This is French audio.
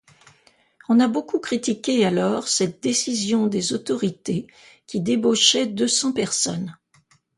On a beaucoup critiqué alors cette décision des autorités qui débauchait deux cents personnes.